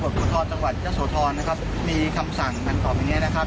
คุณสอบการจังหวัดเจ้าสวทรนะครับมีคำสั่งทำค่อแบบนี้นะครับ